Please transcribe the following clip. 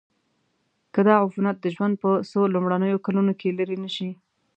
که دا عفونت د ژوند په څو لومړنیو کلونو کې لیرې نشي.